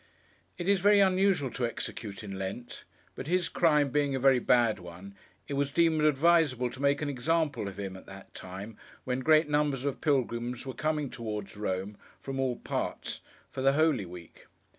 It is very unusual to execute in Lent; but his crime being a very bad one, it was deemed advisable to make an example of him at that time, when great numbers of pilgrims were coming towards Rome, from all parts, for the Holy Week.